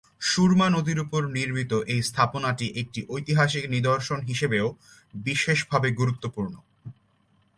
সুরমা নদীর ওপর নির্মিত এই স্থাপনাটি একটি ঐতিহাসিক নিদর্শন হিসাবেও বিশেষভাবে গুরুত্বপূর্ণ।